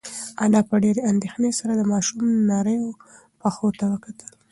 انا په ډېرې اندېښنې سره د ماشوم نریو پښو ته وکتل.